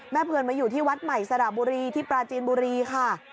เพือนมาอยู่ที่วัดใหม่สระบุรีที่ปราจีนบุรีค่ะ